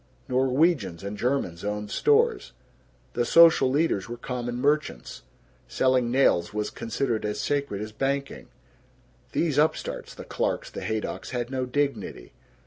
Norwegians and Germans owned stores. The social leaders were common merchants. Selling nails was considered as sacred as banking. These upstarts the Clarks, the Haydocks had no dignity.